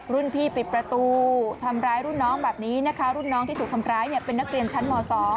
รุ่นพี่ปิดประตูทำร้ายรุ่นน้องแบบนี้นะคะรุ่นน้องที่ถูกทำร้ายเนี่ยเป็นนักเรียนชั้นม๒